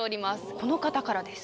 この方からです。